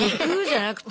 じゃなくて。